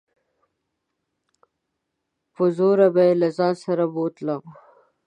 په زوره به يې له ځان سره بوتلم.